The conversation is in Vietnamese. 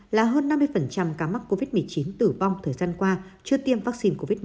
là hơn năm mươi ca mắc covid một mươi chín tử vong thời gian qua chưa tiêm vaccine covid một mươi chín